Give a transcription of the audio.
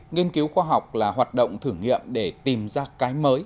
nghiên cứu khoa học là hoạt động thử nghiệm để tìm ra cái mới